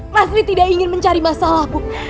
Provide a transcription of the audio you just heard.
masri tidak ingin mencari masalah bu